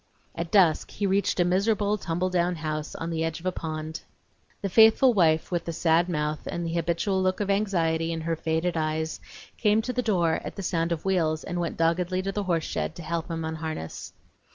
At dusk he reached a miserable tumble down house on the edge of a pond. The faithful wife with the sad mouth and the habitual look of anxiety in her faded eyes came to the door at the sound of wheels and went doggedly to the horse shed to help him unharness.